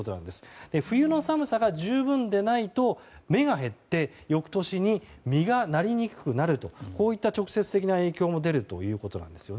冬の寒さが十分でないと芽が減って翌年に実がなりにくくなるという直接的な影響も出るということなんです。